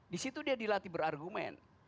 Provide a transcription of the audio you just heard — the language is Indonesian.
disitu dia dilatih berargumen